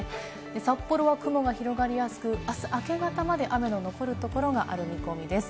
札幌は雲が広がりやすく、あす明け方まで雨の残るところがある見込みです。